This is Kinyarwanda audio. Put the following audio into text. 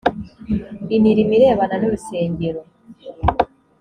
imirimo irebana n urusengero